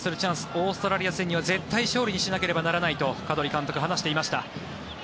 オーストラリア戦には絶対に勝利にしなければならないとカドリ監督、話していました。